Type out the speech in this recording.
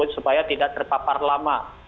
supaya tidak terpapar lama